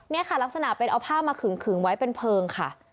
นี่ค่ะลักษณะเป็นเอาผ้ามาขึงไว้เป็นเพลิงค่ะ